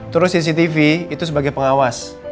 terus cctv itu sebagai pengawas